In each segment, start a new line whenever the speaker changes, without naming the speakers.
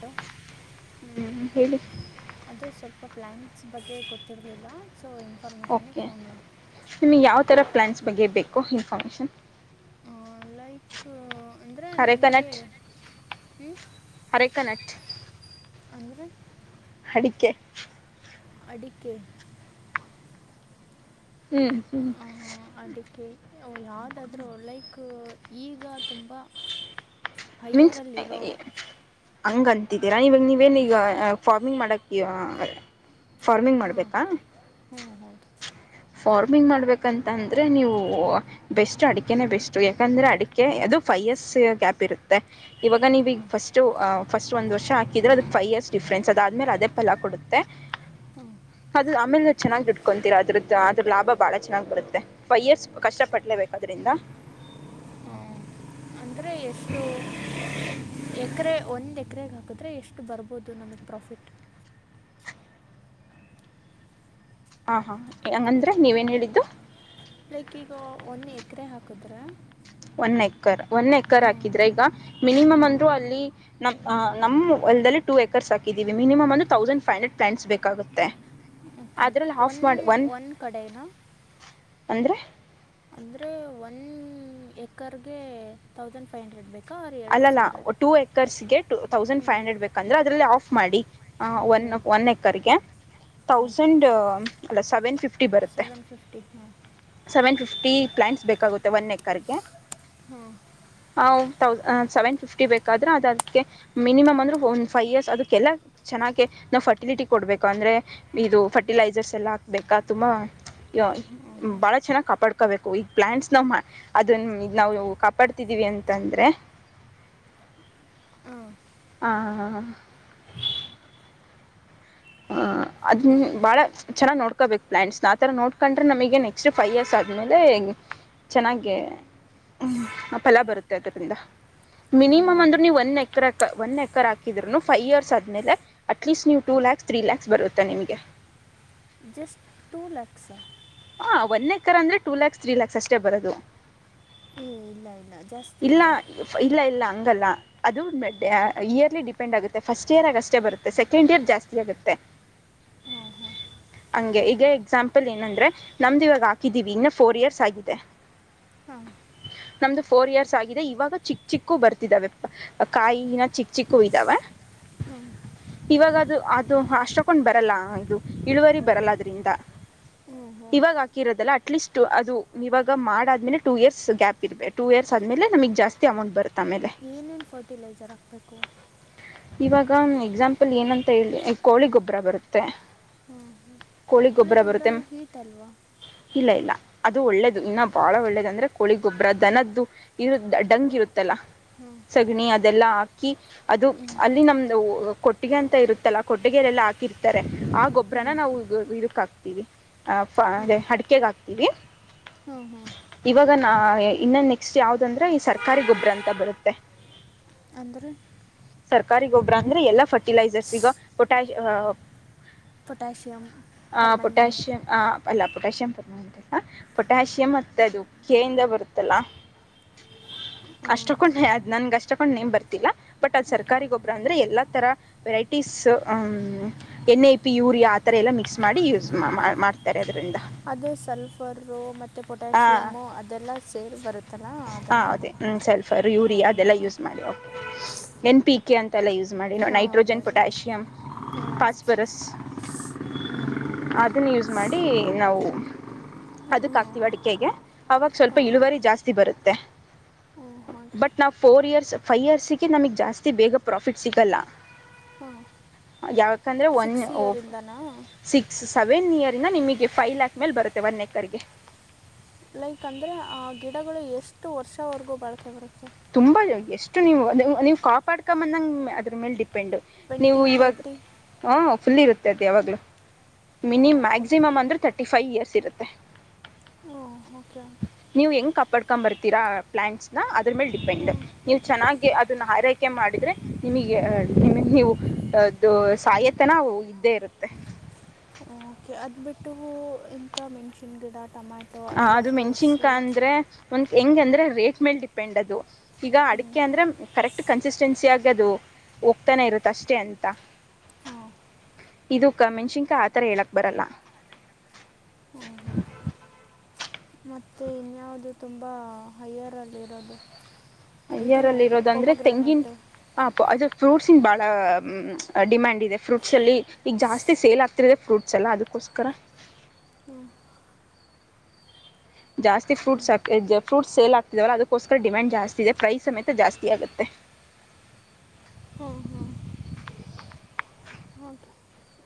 ಹ
ಹ್ಮ್ ಹೇಳಿ
ಅದೇ ಸ್ವಲ್ಪ ಪ್ಲಾನ್ಸ್ ಬಗ್ಗೆ ಗೊತ್ತಿರಲಿಲ್ಲ ಸೊ ಇನ್ಫಾರ್ಮೇಷನಿಗೆ
ಓಕೆ
ಫೋನ್ ಮಾಡಿ
ನಿಮ್ಗೆ ಯಾವ ಥರ ಪ್ಲ್ಯಾನ್ಸ್ ಬಗ್ಗೆ ಬೇಕೋ ಇನ್ಫಾರ್ಮೇಶಷನ್
ಬೈಕ್ ಅಂದ್ರೆ ನಮ್ಗೆ
ಅರೆಕನಟ್
ಹ್ಮ
ಕನ್ನಟ್
ಅಂದ್ರೆ
ಅಡಿಕೆ
ಅಡಿಕೆ
ಹ್ಮ್ ಹ್ಮ್
ಯಾವುದಾದ್ೂ ಲೈಕ್ ಈಗ ತುಂಬ
ಮೀನ್ಸ್
ಹೈಯರಲ್ಲಿರೋ
ಹಂಗಂತಿದ್ದೀರಾ ಇವಾಗ ನೀವೇನೀಗ ಫಾರ್ಮಿಂಗ್ ಮಾಡಕ್ [inaudible] ಇ ಫಾರ್ಮಿಂಗ್
ಹಾಂ
ಮಾಡಬೇಕಾ
ಹ್ಞೂ ಹೌದು
ಫಾರ್ಮಿಂಗ್ ಮಾಡ್ಬೇಕಂತ ಅಂದ್ರೆ ನೀವು ಬೆಸ್ಟ್ ಅಡಿಕೆನ ಬೆಸ್ಟ್ ಯಾಕಂದ್ರೆ ಅಡಿಕೆ ಅದು ಫೈವ್ ಇಯರ್ಸ್ ಗ್ಯಾಪ್ ಇರುತ್ತೆ ಇವಾಗ ನೀವೀಗ
ಹಾಂ
ಫಸ್ಟು ಫಸ್ಟ್ ಒಂದು ವರ್ಷ ಹಾಕಿದರೆ ಅದದು ಫೈವ್ ಇಯರ್ ಡಿಫ್ರೆನ್ಸ್ ಅದಾದಮೇಲೆ ಅದೇ ಫಲ ಕೊಡುತ್ತೆ ಅದು ಆಮೇಲೆ ಚೆನ್ನಾಗ್ ದುಟ್ಕೊಂತೀರಾ ಅದ್ರದ್ದ ಅದ್ರ ಲಾಭ ಬಹಳ ಚೆನ್ನಾಗ್ ಬರುತ್ತೆ ಫೈವ್ ಇಯರ್ಸ್ ಕಷ್ಟ ಪಡ್ಲೇಬೇಕು ಅದ್ರಿಂದ
ಹಾ ಅಂದ್ರೆ ಎಷ್ಟು ಎಕರೆ ಒಂದ್ ಎಕರೆಗೆ ಹಾಕುತ್ತೆ ಹರೆ ಎಷ್ಟು ಬರ್ಬೋದು ನಮಗೆ ಪ್ರಾಫಿಟ್
ಹಾ ಹಾ ಹಂಗಂದ್ರೆ ನೀವೇನ್ ಹೇಳಿದ್ದು?
ಲೈಕ್ ಈಗ, ಒಂದ ಎಕರೆ ಹಾಕುದ್ರೆ
ಒನ್ ಎಕರ್, ಒನ್ ಎಕರ್ ಹಾಕಿದ್ರೆ ಈಗ ಮಿನಿಮಮ್ ಅಲ್ಲಿ ನಮ್ಮ ಅಲ್ದಲ್ಲಿ ಟ ಏಕರ್ಸ್ ಹಾಕಿದೀವಿ ಮಿನಿಮ್ ಒಂದು ತೌಸಂಡ್ ೈವ್ ಹಂಡ್ರೆಡ್ ಪ್ಲಾಂಟ್ಸ್ ಬೇಕಾಗೆ ತ್ತೆ
ಓಕೆ ಓಕೆ ಒನ್ ಒಂದು ಕಡೆನ
ಅಂದರೆ
ಅಂದ್ರೆ ಒನ್ ಏಕರ್ಗೆ ತೌಸಂಡ್ ಫೈವ್ ಹಂಡ್ರೆಡ್ ಬೇಕು
ಅಲ್ಲ ಅಲ್ಲ ಟೂ ಏಕರ್ಸ್ಗೆಟ ತೌಸಂಡ್
ಹ್ಞೂ
ಫೈವ್ ಹಂಡ್ರೆಡ್ ಬೇಕಂದ್ರೆ ಅದ್ರಲ್ಲಿ ಆಫ್ ಮಾಡಿ ಒನ್
ಓಕೆ ಓಕೆ
ಒನ್ ಎಕರ್ಗೆ
ಹಾಂ
ತಥೌಸಂಡ್ ಅಲ್ಲ ಸೆವೆನ್ ಫಿಫ್ಟಿ ಬರುತ್ತೆ
ಸೆವೆನ್ ಫಿಫ್ಟಿ ಹ್ಞೂ
ಸೆವೆನ್ ಫಿಫ್ಟಿ ಪ್ಲಾಂಟ್ಸ್ ಬೇಕಾಗುತ್ತೆ ಒನ್ ಎಕರ್ಗೆ
ಹ್ಮ
ತೌಸ್ ಸೆವೆನ್ ಫಿಫ್ಟಿ ಬೇಕಾದ್ರೆ ಅದದಕ್ಕೆ ಮಿನಿಮಮ್ ಅಂದ್ರೂ ಒನ್ ಫೈವ್ ಇಯರ್ಸ್ ಅದಕ್ಕೆಲ್ಲ ಚೆನ್ನಾಗೆ ನಾವು ಫರ್ಟಿಲಿಟಿ ಕೊಡ್ಬೇಕು. ಅಂದ್ರೆ ಇದು ಫರ್ಟಿಲೈಸರ್ಸ್ ಎಲ್ಲ ಹಾಕ್ಬೇಕಾ ತುಂಬಾ
ಹಾಂ
[inaudible] ಭಾಳ ಚೆನ್ನಾಗಿ ಕಪಾಡ್ ಹಾಕಬೇಕು ಇ ಪ್ಲಾಂಟ್ಸ್ ನಾವ್ ಅದ ಇದ್ ನಾವು ಕಾಪಾಡ್ತಿದೀವಿ ಅಂತಂದ್ರೆ
ಹಾ
ಹಾ ಹ್ಮ ಅದ ಬಾಳ ಚೆನ್ನಾಗ ನೋಡ್ಕೋಬೇಕು ಪ್ಲಾಂಟ್ಸ್ ನ ಆ ತರ ನೋಡ್ಕೊಂಡ್ರೆ ನಮಗೆ ನೆಕ್ಸ್ಟ್ ಫೈ್ ಇಯರ್ಸ್ ಆದ್ಮೇಲೆ ಚೆನ್ನಾಗಿದೆ. ಫಲ ಬರುತ್ತೆ ಅದ್ರಿಂದ ಮಿನಿಮಮ್
ಹಾಂ
ಅಂದ್ರೆ ನೀವು ಒಂದು ಎಕ್ರೆ ಒನ್ ಎಕರ್ ಹಾಕಿದ್ರುನು ಫೈವ್ ಇಯರ್ಸ್ ಆದ್ಮೇಲೆ ಅಟ್ಲೀಸ್ಟ್ ನೀವು ಟು ಲ್ಯಾಕ್ಸ ತ್ರೀ ಲ್ಯಾಕ್ಸ್ ಬರುತ್ತೆ ನಿಮಗೆ
ಜಸ್ಟ್ ಟು ಲಲೆಕ್ಸ್
ಒಂದು ಎಕ್ಕರ್ ಅಂದ್ರೆ ಎರಡು ಲಕ್ಷ ಮೂರು ಲಕ್ಷ ಅಷ್ಟೇ ಬರೋದು.
ಏ ಇಲ್ಲ ಇಲ್ಲ ಜಾಸ್ತಿ
ಇಲ್ಲ
ಇದೆ
ಇಲ್ಲ ಇಲ್ಲ, ಹಂಗಲ್ಲ ಅದು ವರ್ಷ ಡಿಪೆಂಡ್ ಆಗುತ್ತೆ ಫಸ್ಟ್ ಇಯರ್ ಆಗಷ್ಟೇ ಬರುತ್ತೆ ಸೆಕೆಂಡ್ ಇಯರ್ ಜಾಸ್ತಿ ಬರುತ್ತೆ
ಹಾ ಹಾ
ಹಂಗೆ ಈಗ ಎಕ್ಸಾಂಪಲ್ ಏನಂದ್ರೆ ನಮ್ದು ಇವಾಗ ಹಾಕಿದೀವಿ ಇನ್ನು ಫೋರ್ ಇಯರ್ಸ್ ಆಗಿದೆ
ಹಾ
ನಮ್ದು ಫೋರ್ ಇಯರ್ಸ್ ಆಗಿದೆ ಇವಾಗ ಚಿಕ್ಕ ಚಿಕ್ಕು ಬರ್ತಿದಾವೆ ಕಾಯಿನ ಚಿಕ್ಕ ಚಿಕ್ಕೂ ಇದ್ದಾವ
ಹ್ಮ
ಇವಾಗ ಅದು ಅದು ಅಷ್ಟೊಕೊಂಡ್ ಬರಲ್ಲ. ಇದು ಇಳುವರಿ ಬರಲ್ಲ ಅದ್ರಿಂದ
ಹ್ಞೂ ಹ್ಞೂ
ಇವಾಗ ಹಾಕಿರೋದಲ್ಲ ಅಟ್ಲೀಸ್ಟ್ ಅದು ಇವಾಗ ಮಾಡಾದ್ಮೇಲೆ ಟೂ ಇಯರ್ಸ್ ಗ್ಯಾಪ್ ಇರ್ಬೇಕು. ಟೂ ಇಯರ್ಸ್ ಆದಮೇಲೆಮ ಜಾಸ್ತಿ ಅಮೌಟ್ ಬರುತ್ತೆ. ಆಮೇಲೆ
ಏನೇನು ಫರ್ಟಿಲೈಸರ್ ಹಾಕ್ಬೇಕು?
ಇವಾಗ ಒ ಎಕ್ಸಾಂಪಲ್ ಏನಂತ ಹೇಳಿ ಕೋಳಿ ಗೊಬ್ಬರ ಬರುತ್ತೆ.
ಹ್ಞೂ
ಕೋಳಿ ಗೊಬ್ಬರ ಬರುತ್ತೆ ಇಲ್ಲ ಇಲ್ಲ ಅದು ಒಳ್ಳೇದು, ಇನ್ನು ಬಾಳ ಒಳ್ಳೇದ ಅಂದ್ರೆ ಕೋಳಿ ಗೊಬ್ಬರ ದನದ್ದು ಇದು ಡಂಗ್ ಇರುತ್ತೆ
ಹ್ಞೂ
ಸಗಣಿ ಅದೆಲ್ಲ ಹಾಕಿ ಅದು
ಹ್ಞೂ
ಅಲ್ಲಿ ನಮ್ದ ಕೊಟ್ಟಿಗೆ ಅಂತ ಇರುತ್ತಲ್ಲಾ ಕೊಟ್ಟಿಗೆಯಲೆಲ್ಲಾ ಹಾಕಿರ್ತಾರೆ ಆ
ಹ್ಞೂ
ಗೊಬ್ಬ್ರನ ನಾವು ಇದಕ್ ಹಾಕ್ತಿವಿ. ಅ ಅ
ಹ್ಞೂ
ಅಡಿಕಗ ಹಾಕ್ತೀವಿ
ಹ್ಞೂ ಹ್ಞೂ
ಇವಾಗ ನಾ ಇನ್ನೊ ನೆಕ್ಸ್ಟ ಯಾವ್ದಂದ್ರೆ ಈ ಸರ್ಕಾರಿ ಗೊಬ್ಬರ ಅಂತ ಬರುತ್ತೆ
ಅಂದ್ರೆ
ಸರ್ಕಾರಿ ಗೊಬ್ಬ್ರ ಅಂದ್ರೆ ಎಲ್ಲಾ ಫರ್ಟಿಲೈಸರ್ಸ್ ಈಗ ಪೊಟ್ಯಾ ಹ
ಪೊಟ್ಯಾಷಿಯಮ್ ಪರ್ಮ್ಯಾಂಗನೇಟ್
ಪೊಟಾಷಿಯಂ ಆ ಅಲ್ಲ ಪೊಟ್ಯಾಷಿಯಂ ಪಮ ಪೊಟ್ಯಾಷಿಯಂ ಮತ್ತ ಅದು ಕೆ ಇಂದ ಬರುತ್ತಲ್ಲ
[unintelligible]
ಅಷ್ಟಕ್ಕೊಂಡ ಅ್ ನನ್ಗೆ ಅಷ್ಟಕ್ಕೊಂಡ್ ನೇಮ್ ಬರ್ತಿಲ್ಲ ಬಟ್ ಅ್ ಸರ್ಕಾರಿ ಗೊಬ್ಬರ ಅಂದ್ರೆ ಎಲ್ಲಾ ತರ ಟಸ್ ಎನ್ ಐ ಪಿ ಯೂರಿಯಾ ಆ ಥರ ಎಲ್ಲ ಮಿಕ್ಸ್ ಮಾಡಿ ಯೂಸ್ ಮಾಡ್ತಾರೆ ಅದರಿಂದ
ಅದೇ ಸಲ್ಫರು ಮತ್ತೆ ಪೊಟ್ಯಾಾಸಿಯಮು ಅದೆಲ್ಲ ಸೇರ್ ಬರುತ್ತದೆ
ಹ ಹೌದೇ ಹ್ಮ ಸಲ್ಫರ್ ಯೂರಿಯಾ
ಹ್ಞೂ
ಅದೆಲ್ಲ ಯೂಸ್ ಮಾಡಿ ಎನ್ ಪಿ ಕೆ ಅಂತ ತಲ್ಲ ಯೂಸ್ ಮಾಡಿ ನ
ಹಾಂ ಅದೇ
ನೈಟ್ರೋಜನ್
ಅದೇ
ಪೊಟ್ಯಾಷಿಯಮ್
ಹ್ಞೂ
ಫಾಸ್ಫರಸ್
ಹ್ಞೂ
ಅದನ್ನ ಯೂಸ್ ಮಾಡಿ ನಾವು
ಹ್ಞೂ
ಅದಕ್ ಹಾಕ್ತೀವಿ
ಹ್ಞೂ
ಅಡಿಕೆಗೆ ಅವಾಗ ಸ್ವಲ್ಪ ಇಳುವರಿ ಜಾಸ್ತಿ ಬರುತ್ತೆ
ಹ್ಞೂ ಹಾಗೆ
ಬಟ್ ನಾವು ಫೋರ್ ಇಯರ್ಸ್ ಫೈವ್ ಇಯರ್ಸಿಗೆ ನಮಗೆ ಜಾಸ್ತಿ ಬೇಗ ಪ್ರಾಫಿಟ್ ಸಿಗಲ್ಲ
ಹ್ಞೂ
ಯಾವ ಯಾಕಂದ್ರೆ ಒನ್
ಸಿಕ್ಸ್ ಇಯರಿಂದನಾ
ಸಿಕ್ಸ್ ಸೆವೆನ್ ಇಯರ್ಂದ ನಿಮಗೆ ಫೈವ್ ಲ್ಯಾಕ್ ಮೇಲೆ ಬರುತ್ತೆ ಒನ್ ಎಏಕರ್ಗೆ
ಲೈಕ್ ಅಂದ್ರೆ ಆ್ ಗಿಡಗಳು ಎಷ್ಟು ವರ್ಷವರೆಗೂ ಬಳಕೆ ಬರುತ್ತೆ
ತುಂಬಾ ಎಷ್ಟು ನೀವು ನೀವು ಕಾಪಾಡ್ಕ ಬಂದಾಗ ಅದ್ರ ಮೇಲೆ ಡಿ ಡಿಪೆಂಡು ನೀವು
ಟ್ವೆಂಟಿ
ಇವಾಗ
ತರ್ಟಿ
ಹ ಫುಲ್ ಇರುತ್ತೆ ಅದೆ ಯಾವಾಗ್ಲ ಮಿನಿ್
ಓಕೆ
ಮ್ಯಾಕ್ಸಿಮಮ್ ಅಂದ್ರೆ ತರ್ಟಿ ಫೈವ್ ಇಯರ್ಸ್ ಇರುತ್ತೆ
ಓಕೆ ಓಕೆ
ನೀವು ಹೆಂಗ ಕಪ್ಪ ಪಡ್ಕೊಂಡ್ ಬರ್ತೀರಾ ಪ್ಲಾಟ್ಸ್ ನ ಅದ್ರ ಮೇಲೆ ಡಿಪೆಂಡ್
ಹ್ಞೂ
ನೀವು ಚೆನ್ನಾಗಿ ಅದನ್ನ ಹಾರೈಕೆ ಮಾಡಿದ್ರೆ ನಿಮಗೆ ನಿ ನೀವು ಅದು ಸಾಯತನವು ಇದ್ದೇ ಇರುತ್ತೆ [unintelligible]
ೆ ಅದ್ ಬಿಟ್ಟು ಇಂತ ಮೆಣಸನ್ ಗಿಡ ಟೊಮ್ಯಾಟೊ
ಹ
ಅಥವಾ
ಅದು ಮೆಣಸಿನ್ಕ
ಫ್ರೂಟ್ಸು
ಅಂದ್ರೆ ಒಂದತ್ ಹೆಂಗಂದ್ರೆ ರೇಟ್ ಮೇಲ್ ಡಿಪೆಂಡ್ ಅದು ಈಗ
ಹ್ಞೂ
ಅಡಿಕೆ ಅಂದ್ರೆ ಕರೆಕ್ಟ್ ಕನ್ಸಿಸ್ಟೆನ್ಸಿ ಆಗದು ಹೋಗ್ತಾನೆ ಇರುತ್ತ ಅಷ್ಟೇ ಅಂತ
ಹಾಂ
ಇ ಕ ಮೆಣಶಿನ್ಕ ಆತರ ಹೇಳಕ್ ಬರಲ್ಲ
ಮತ್ತೆ ಇನ್ಯವು್ದ ತುಂಬಾ ಹೈಯರ್ ಅಲ್ಲಿ ಇರೋದು
ಅಯ್ಯರಲ್ಲಿ ಇರೋದಂದ್ರೆ ತೆಂಗಿನ ಆಾಪ ಅದ ಫ್ರೂಟ್ಸಿನ ಭಾಳ ಡಿಮ್ಯಾಂಡ್ ಇದೆ ಫ್ರೂಟ್ಸಲ್ಲಿ ಈಗ ಜಾಸ್ತಿ ಸೇಲ್ ಆಗ್ತಿರದೆ ಫ್ರೂಟ್ಸ್ ಎಲ್ಲ ಅದು ಕೋಸ್ಕರ
ಹ್ಮ್
ಜಾಸ್ತಿ ಫ್ರೂಟ್ಸ್ಾ ಫ್ರೂಟ್ಸ್ ಸೇಲ್ ಆಗ್ತಿದವಲ್ಲ ಅದಕ್ಕೋಸ್ಕರ ಡಿಮ್ಯಾಂಡ್ ಜಾಸ್ತಿ ಇದೆ ಪ್ರೈಸ್ ಸಮೇತ ಜಾಸ್ತಿ ಆಗುತ್ತೆ
ಹ್ಮ ಹ್ಮ್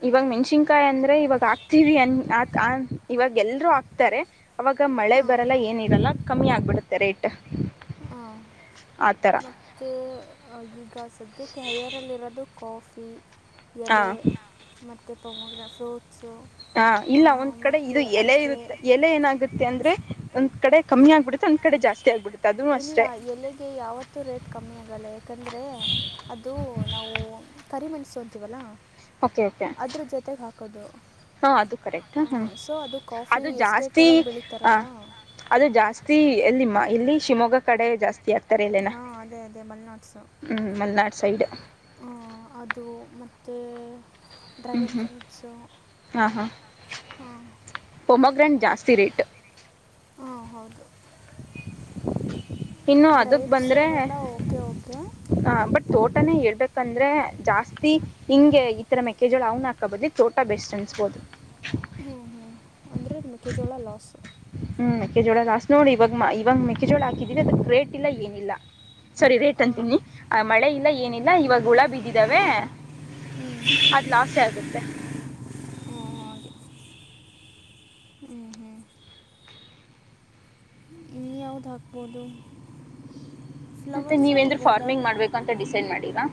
ಇವಾಗ ಮೆಣ್ಸಿನ್ಕಾಯಿ ಅಂದ್ರೆ ಇವಾಗ ಆಕ್ತೀವಿ ಅನ್ ಆ ಇವಾಗ ಎಲ್ರುೂ ಆಗ್ತಾರೆ ಅವಾಗ ಮಳೆ
ಹಾಂ
ಬರಲ್ಲ ಏನಿರಲ್ಲ ಕಮ್ಮಿ ಆಗ್ಬಿಡುತ್ತೆ ರೇಟ್
ಹಾಂ
ಆ ಥರ
ಮತ್ತು ಈಗ ಸದ್ಯಕ್ಕೆ ಹಯರಲ್ಲಿರೋದು ಕಾಫಿ ಎಲೆ
ಹಾಂ
ಮತ್ತು ತೊಮಗ ಫ್ರೂಟ್
ಹಾ ಇಲ್ಲ ಒಂದ್ ಕಡೆ ಇದು ಎಲೆ
ಅಡಿಕೆ
ಇರುತ್ತೆ ಎಲೆ ಏನಾಗುತ್ತೆ ಅಂದ್ರೆ ಒಂದ್ ಕಡೆ ಕಮ್ಮಿ ಆಗ್ಬಿಡೆ ಒಂದ ಕಡೆ ಜಾಸ್ತಿ ಆಗ್ಬಿಡೆ
ಇಲ್ಲ ಎಲೆಗೆ ಯಾವತ್ತೂ ರೇಟ್ ಕಮ್ಮಿ ಆಗಲ್ಲ ಯಾಕಂದರೆ ಅದು ನಾವು ಕರಿ ಮೆಣಸೊಂತೀವಲ್ಲ ಅದ್ರ ಜೊತೆಗೆ ಹಾಕೋದು
ಹಾ ಅದು ಕರೆಕ್ಟ್ ಹ
ಸೊ ಕಾಫಿ
ಅದು
ಎಸ್ಟೇಟ್
ಜಾಸ್ತಿ
ಒಳಗೆ
ಆ
ಬೆಳೀತಾರಲ್ಲ
ಅದು ಜಾಸ್ತಿ ಎಲ್ಲಿಮ್ಮ ಇಲ್ಲಿ ಶಿವಮೊಗ್ಗ ಕಡೆ ಜಾಸ್ತಿ ಹಾಕ್ತಾರೆ ಎಲೆನ
ಹಾ ಅದೇ ಅದೇ ಮಲ್ನಾಟ್ಸು
ಹ್ಞೂ ಮಲೆನಾಡು ಸೈಡ್
ಅದು ಮ ಮತ್ತು
ಹ್ಮ್
ಡ್ರ್ಯಾಗನ್
ಹ್ಮ್
ಫ್ರೂಟ್ಸು
ಹ ಹ
ಹಾಂ
ಪ್ರೋಮೋಗ್ರಾಂಟ್ ಜಾಸ್ತಿ ಜಾಸ್ತಿ ರೇಟ್
ಹಾ ಹೌದು
ಇನ್ನು ಅದಕ್
ಗ್ರೇಪ್ಸ್
ಬಂದ್ರೆ
ಅವೆಲ್ಲ ಓಕೆ ಓಕೆ
ಹ ಬಟ್ ತೋಟ ಟಾನೇ ಹೇಳ್ಬೇಕಂದ್ರೆ ಜಾಸ್ತಿ ಹಿಂಗೆ ಈ ತರ ಮೆಕ್ಕೆೇಜೋಳ ಅವ್ನ ಹಾಕಬದಿ ಚೋಟಾ ಬೆಸ್ಟ್ ಅನ್ಸ್ಬೋದು
ಹ್ಮ್ ಹ್ಮ್ ಅಂದ್ರೆ ಮೇಕೆ ಜೋಳ ಲಾಸ್
ಹ್ಮ್ ಮೆಕ್ಕೆಜೋಳ ಲಾಸ್ಟ್ ನೋಡಿ ಇವಾಗ ಇವಾಗ ಮೆಕ್ಕೆಜೋಳ ಹಾಕಿದೀವಿ ಅದ ಗ್ರೇಟ್ ಇಲ್ಲ ಏನಿಲ್ಲ ಸರಿ ರೇಟ್
ಹಾಂ
ಅಂತೀನಿ ಆ ಮಳೆ ಇಲ್ಲ ಏನಿಲ್ಲ ಇವಾಗ ಹುಳ ಬಿದ್ದಿದಾವೆ
ಹ್ಞೂ
ಅದು ಲಾಸ್ ಆಗುತ್ತೆ
ಹಾಂ ಹಾಗೆ ಹ್ಞೂ ಹ್ಞೂ ತಬೋದು
ಮತ್ತೆ ನೀವೇಂದ್ರರು ಫಾರ್ಮಿಂಗ್ ಮಾಡ್ಬೇಕು ಅಂತ ಡಿಸೈಡ್ ಮಾಡಿರಾ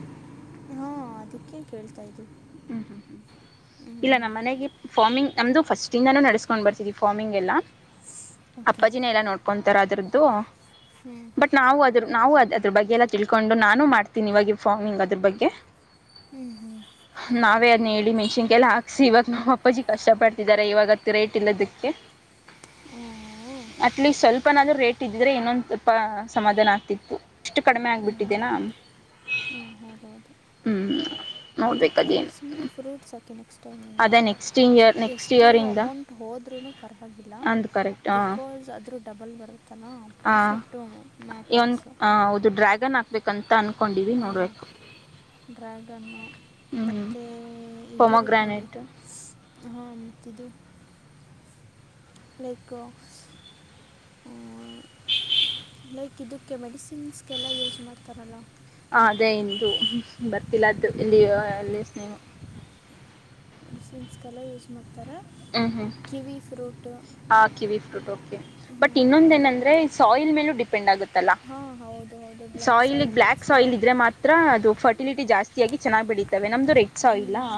ಹಾಂ ಅದಕ್ಕೆ ಕೇಳ್ತಾ ಇದವಿ
ಹ್ಮ್ ಹ್ಮ್ ಹ್ಮ್ ಇಲ್ಲ ನಮ್ಮ ಮನೆಗೆ ಫಾರ್ಮಿಂಗ್ ನಮ್ದು ಫಸ್ಟ್ಂದಾನೂ ನಡೆಸ್ಕೊಂಡ್ ಬರ್ತ ಫಾರ್ಮಿಂಗ್ ಎಲ್ಲ
ಓಕೆ
ಅಪ್ಪಾಜಿನ ಎಲ್ಲ ನೋಡ್ಕೊಂಡ ರದ್ರದ್ದು
ಹ್ಞೂ
ಬಟ್ ನಾವು ಅ ನಾವು ಅ ಅದ್ರ ಬಗ್ಗೆಲ್ಲ ತಿಳ್ಕೊಂಡು ನಾನು ಮಾಡ್ತೀನಿ ಇವಾಗ ಫಾರ್ಮಿಂಗ್ ಅದ್ರ ಬಗ್ಗೆ
ಹ್ಮ್ ಹ್ಮ್
ನಾವೇ ಅದನ್ನ ಹೇಳಿ ಮೆಣಸಿನ್ಕಲ್ಲ ಹಾಕ್ಸಿ ಇವಾಗ ನಮ್ಮ ಅಪ್ಪಾಜಿ ಕಷ್ಟ ಪಡ್ತಿದಿದ್ದಾರೆ ಇವಾಗತ್ತು ರೇಟ್ ಇಲ್ಲದಕ್ಕೆ
ಹ್ಮ
ಅಟ್ ಲೀಸ್ಟ್ ಸ್ವಲ್ಪನಾದ್ೂ ರೇಟ್ ಇದ್ದಿದ್ರೆ ಇನ್ನೊಂದು ಸ್ಪ ಸಮಾಧಾನ ಆಗ್ತಿತ್ತು ಇಷ್ಟು ಕಡಿಮೆ ಆಗ್ಬಿಟ್ಟಿದೆೇನಾ
ಹಾಂ ಹೌದ ಹೌದು ಅದಕ್ಕೆ ಓಕೆ
ನೋಡ್ಬೇಕದೇನು
ಸುಮ್ಮನೆ ಫ್ರೂಟ್ಸ್ ಹಾಕಿ ನೆಕ್ಸ್ಟ್ ಟೈಮಿಂದ
ಅದೇ ನೆಕ್ಸ್ಟ್ ಇಯರ್ ನೆಕ್ಸ್ಟ್
ಎಷ್ಟು
ಇಯರಿಂದ
ಅಮೌಂಟ್ ಹೋದ್ರೂ ಪರ್ ಆವಾಗಿಲ್ಲ
ಅಂದ್ ಕರೆಕ್ಟ್ ಹ
ಬಿಕಾಸ್ ಆದ್ರೂ ಡಬಲ್ ಬರುತ್ತಾನ ಪ್ರಾಫಿಟ್ಟು
ಒಂದು
ಮ್ಯಾಟರ್ಸ
ಹ ಹೌದು ಡ್ರ್ಯಾಗನ್ ಹಾಕ್ಬೇಕಂತ ಅನ್ಕೊಂಡಿವಿ
ಹಾ
ನೋಡ್ಬೇಕು
ಡ್ರ್ಯಾಗನ್ ಮ
ಹ್ಮ್
ಇದಿರುತ್ತೆ ನೋಡಿ
ಪೊಮಗ್ರಾನೇಟ್ ಹ
ಹಾಂ ಮತ್ತಿದದು ಲೈಕ ಲೈಕ್ ಇದಕ್ಕೆ ಮೆಡಿಸಿನ್ಸ್ಗೆಲ್ಲ ಯೂಸ್ ಮಾಡ್ತಾರಲ್ಲ
ಹ ಅದೇ ಇಂದು ಬರ್ತಿಲ್ಲ ಅ್ದದು ಇಲ್ಲಿಯ ಲೀವ್ಸ್ ನೇಮ್
ಮೆಡಿಸಿನ್ ಗೆಲ್ಲ ಯೂಸ್ ಮಾಡ್ತಾರೆ ಕಿವಿ ಫ್ರೂಟ್
ಹಾಕಿ ವಿಫೂಟ್ ಓಕೆ ಬಟ್ ಇನ್ನೊಂದ
ಅದೇ
ಏನಂದ್ರೆ ಸಾಯಿಲ್ ಮೇಲೂ ಡಿಪೆಂಡ್ ಆಗುತ್ತಲ್ಲ
ಹಾಂ ಹೌದು ಹೌದು black
soil
red
black soil ಇದ್ರೆ ಮಾತ್ರ ಅದು ಫರ್ಟಿಲಿಟಿ ಜಾಸ್ತಿ ಆಗಾಗಿ ಚೆನ್ನಾಗ್ ಬೆಡೀತವೆ
ಹ್ಮ್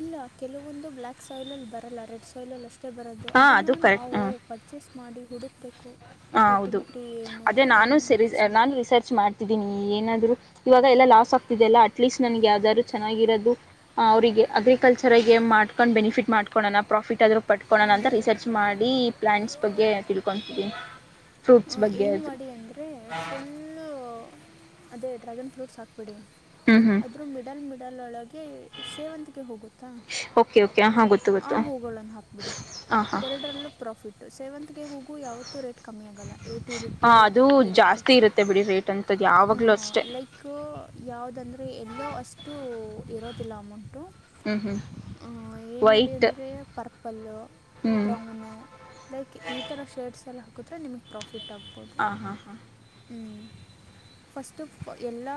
ಇಲ್ಲ ಕೆಲವೊಂದು ಬ್ಲ್ಯಾಕ್ ಸಾಯಿಲಲ್ಲಿ ಬರಲ್ಲ ರೆಡ್ ಸಾಯ್ಲಲ್ಲಿ ಅಷ್ಟೇ ಮುಷ್ಟ ಬರೋದು
ಹಾ
ಅದನ್ನು
ಅದು ಕರೆಕ್ಟ್
ನಾವು ಪರ್ಚೇಸ್ ಮಾಡಿ ಹುಡುಕಬೇಕು
ಹ ಹೌದು
ಫರ್ಟಿಲಿಟಿ ಏನು
ಅದೇ ನಾನು
ಏನು
ಸ
ಅಂತ ಸ್ವಲ್ಪ
ನಾನು ರಿಸರ್ಚ್ ಮಾಡ್ತಿದ್ದೀನಿ ಏನಾದ್ೂ ಇವಾಗ ಎಲ್ಲ ಲಾಸ್ ಆಗ್ತಿದೆ ಅಲ್ಲ ಅಟ್ಲೀಸ್ಟ್ ನನ್ಗೆ ಯಾವ್ದಾದ್ರು ಚೆನ್ನಾಗಿರೋದು ಅವರಿಗೆ ಅಗ್ರಿಕಲ್ಚರ ಮಾಡ್ಕೊಂಡು ಬೆನಿಫಿಟ್ ಮಾಡ್ಕೊೋಣ ಪ್ರಾಫಿಟ್ ಆದರೂ ಪಟ್ಕೊಳ್ಳಳೋಣ
ಅದೇ
ಅಂತ
ಅದೇ
ರಿಸರ್ಚ್ ಮಾಡಿ ಪ್ಲಾಂಟ್ಸ್ ಬಗ್ಗೆ ತಿಳ್ಕೊತಿದೀನಿ
ಏನು ಮಾಡಿ ಅಂದರೆ ಫುಲ್ಲು ಅದೇ ಡ್ರ್ಯಾಗನ್ ಫ್ರೂಟ್ಸ್ ಹಾಕ ಬಿಡಿ
ಹ್ಞೂ ಹ್ಞೂ
ಆದರೂ ಮಿಡಲ್ ಮಿಡಲ್ ಒಳಗೆ ಸೇವಂತಗೆ ಹೋಗುತ್ತಾ
ಓಕೆ ಓಕೆ ಹಾಂ ಗೊತ್ತು
ಆ
ಗೊತ್ತು
ಹೋಗೋಳಣ ಹಾಕ್ಬಿಡಿ
ಹಾಂ ಹಾಂ ಹಾಂ
ಎರಡರಲ್ಲೂ ಪ್ರಾಫಿಟ್ ಸೆವೆಂತ್ಗೆ ಹೋಗು ಯಾವತ್ತೂ ರೇಟ್ ಕಮ್ಮಿ ಆಗಲ್ಲ ಏಯ್ಟಿ
ಹ ಅದು ಜಾಸ್ತಿ ಇರುತ್ತೆ ಬಿಡಿ ರೇಟ್ ಅಂಥದ್ದು
ಹ
ಯಾವಾಗಲೂ ಅಷ್ಟೇ
ಲೈಕ್ ಯಾವ್ದಂದ್ರೆ ಎಲ್ಲೋ ಅಷ್ಟು ಇರೋದಿಲ್ಲ ಅಮೌಂಟು
ಹ್ಮ್ ಹ್ಮ್
ಹ ಏನ್ ಮಾಡಿ ಅಂದ್ರೆ ಪರ್ಪಲ್ಲ
ಹ್ಞೂ
ಬ್ರೌನು ಲೈಕ್ ಈಥರ ಶೇಡ್ಸ್ ಎಲ್ಲ ಹಾಕ ಹಥರ ನಿಮಗೆ ಪ್ರಾಫಿಟ್ ಆಗ್ಬೋದು
ಹಾಂ ಹಾಂ ಹಾಂ
ಹ್ಞ ಫಸ್ಟು ಎಲ್ಲ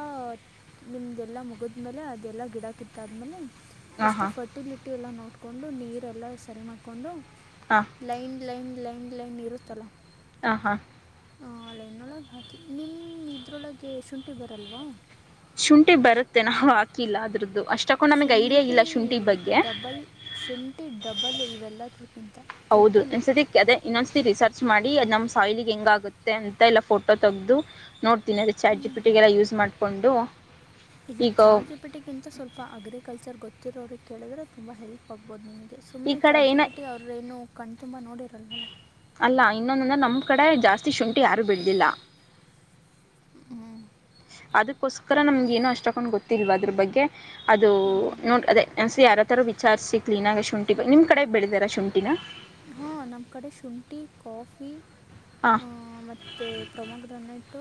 ನಿಮ್ದಲ್ಲ ಮುಗಿದ್ಮೇಲೆ ಅದೆಲ್ಲ ಗಿಡಕ್ಕಿತ್ತ ಆದ್ಮೇಲೆ
ಹಾಂ ಹಾಂ
ಫಸ್ಟು ಫರ್ಟಿಲಿಟಿ ಎಲ್ಲ ನೋಡಿಕೊಂಡು ನೀರೆಲ್ಲ ಸರಿ ಮಾಡಿಕೊಂಡು
ಹಾಂ
ಲೈನ್ ಲೈನ್ ಲೈನ್ ಲೈನ್ ಇರುತ್ತಲ್ಲ
ಹ ಹಾ
ಆ ಆಲೈನ್ನೊಳಗೆ ಹಾಕಿ ನಿಮ್ಮ ಇದ್ರೊಳಗೆ ಶುಂಠಿ ಬರಲ್ವಾ
ಶುಂಠಿ ಬರುತ್ತೆ ನಾವು ಹಾಕಿಲ್ಲ ಅದ್ರದ್ದು ಅಷ್ಟ
ಶುಂಠಿ ಡಬಲ್ ಶುಂಠಿ ಡಬಲ್ ಇವೆಲ್ಲ
ಹೌದು ಒ್ಸರ್ತಿ ಅದೇ ಇನ್ನೊಂದ್ಸತಿ ರಿಸರ್ಚ್ ಮಾಡಿ ನಮ್ಮ್ ಸಾಯ್ಲಿಗೆ ಹೆಂಗ ಆಗುತ್ತೆ ಅಂತ ಎಲ್ಲಾ ಫೋಟೋ ತಗ್ದು ನೋಟ್ ನೋಡ್ತೀನಿ ಚಾಟ್ ಜಿ ಪಿ ಟಿ ಗೆಲ್ಲ ಯೂಸ್ ಮಾಡಿಕೊಂಡು
ಇಲ್ಲ
ಈಗ
ಚಾರ್ಜಿಪೇಟೆಗಿಂತ ಸ್ವಲ್ಪ ಅಗ್ರಿಕಲ್ಚರ್ ಗೊತ್ತಿರೋರಿಗೆಿಗೆ ಕೇಳಿದ್ರೆ ತುಂಬ ಹೆಲ್ಪ್ ಆಗ್ಬೋದು ನಿಮಗೆ
ಈ
ಸುಮ್ನೆ
ಕಡೆ
ಚಾಟ್ ಜಿ
ಏನ
ಪಿ ಟಿ ಅವ್ರ ಏನು ಕಣ್ ತುಂಬಾ ನೋಡಿರಲ್
ಅಲ್ಲ ಇನ್ನೊಂದಂದ್ರೆ ನಮ್ಮ ಕಡೆ ಜಾಸ್ತಿ ಶುಂಠಿ ಯಾರು ಬೆಳದಿಲ್ಲ
ಹ್ಞೂ
ಅದಕ್ಕೋಸ್ಕರ ನಮ್ಗೆ ಏನೋ ಅಷ್ಟ ತಕೊಂಡ್ ಗೊತ್ತಿಲ್ವಾ ಅದ್ರ ಬಗ್ಗೆ ಅದು
ಹ್ಞೂ ಹ್ಞೂ
ನೋಡ್ ಅದೇ ಒನ್ಸ್ ಯಾರ ತರ ವಿಚಾರ್ ಸಿಕ್ ಕ್ಲೀನಾಗ ಶುಂಠಿ ನಿಮ್ಮ ಕಡೆ ಬೆಳಿತರ ಶುಂಠಿನ
ಹಾ ನಮ್ಮ ಕಡೆ ಶುಂಠಿ ಕಾಫಿ
ಹಾಂ
ಮತ್ತೆ ಪ್ರೋಮೋಗ್ರಾಂಟ್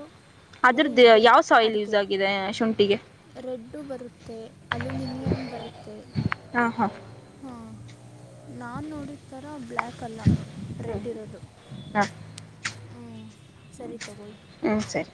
ಅದ್ರದ್ದು ಯಾವ ಸಆಾಯಿಲ್ ಯೂಸ್ ಆಗಿದೆ ಶುಂಠಿಗೆ
ರೆಡ್ಡು ಬರುತ್ತೆ ಅಲುಯೂಮಿನಿಯನ್ ಬರುತ್ತೆ
ಹಾಂ ಹಾಂ
ಹಾಂ ನಾನ್ ನೋಡತರ ಬ್ಲ್ಯಾಕ್ ಕಲ್ಲ
ಹ್ಞೂ
ರೆಡ್ ಇರೋದು
ಹಾಂ
ಹ್ಞೂ ಸರಿ ತಗೊಳಿ
ಹ್ಞೂ ಸರಿ